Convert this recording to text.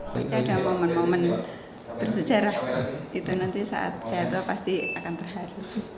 terus ada momen momen bersejarah itu nanti saat saya tahu pasti akan terhari